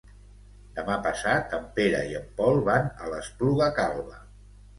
Demà passat en Pere i en Pol van a l'Espluga Calba.